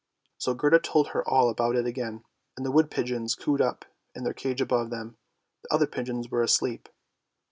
So Gerda told her all about it again, and the wood pigeons cooed up in their cage above them, the other pigeons were asleep.